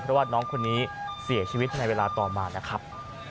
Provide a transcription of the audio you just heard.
เพราะว่าน้องคนนี้เสียชีวิตในเวลาต่อมานะครับ